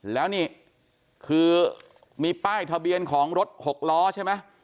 แล้วนี่คือมีป้ายทะเบียนของรถหกล้อใช่ไหม